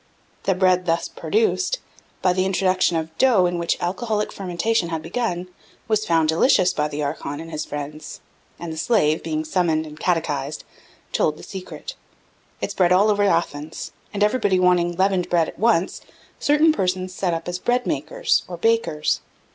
The bread thus produced, by the introduction of dough in which alcoholic fermentation had begun, was found delicious by the archon and his friends; and the slave, being summoned and catechised, told the secret. It spread all over Athens; and everybody wanting leavened bread at once, certain persons set up as bread makers, or bakers.